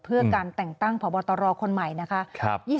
เพื่อการแต่งตั้งพบตรคนใหม่นะคะ